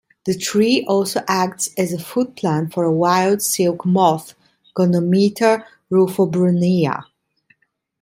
The tree also acts as a foodplant for a wild silk moth, "Gonometa rufobrunnea".